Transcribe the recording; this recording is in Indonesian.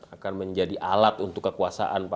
akan menjadi alat untuk kekuasaan